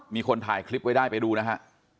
มีคนถ่ายคลิปไว้ได้ไปดูนะฮะ